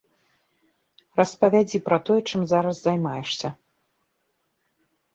Распавядзі пра тое, чым зараз займаешся.